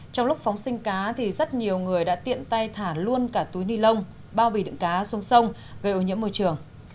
trong lúc phóng sinh cá thì rất nhiều người đã tiện tay thả luôn cả túi ni lông bao bì đựng cá xuống sông gây ô nhiễm môi trường